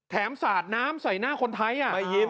สาดน้ำใส่หน้าคนไทย